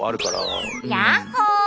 ヤッホー！